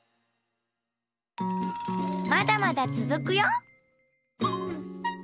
まだまだつづくよ！